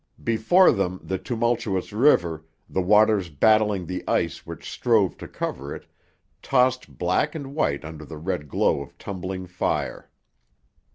Before them the tumultuous river, the waters battling the ice which strove to cover it, tossed black and white under the red glow of tumbling fire.